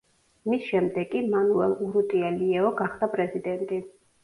მის შემდეგ კი მანუელ ურუტია ლიეო გახდა პრეზიდენტი.